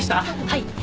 はい。